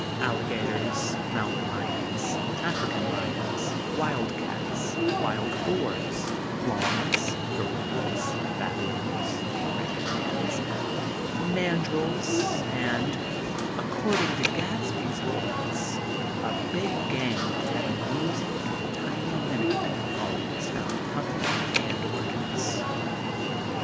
alligators, mountain lions, African lions, wild cats, wild boars, llamas, gorillas, baboons, orang outangs, mandrils; and, according to Gadsby's boys, a "big gang" of that amusing, tiny mimic always found accompanying hand organs.